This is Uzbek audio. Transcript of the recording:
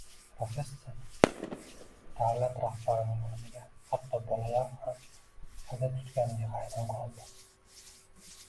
Professor davlat rahbarining o`limiga hatto bolalar ham aza tutganiga hayron qoldi